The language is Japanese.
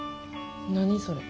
何それ。